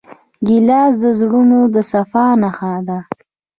ګیلاس د زړونو د صفا نښه ده.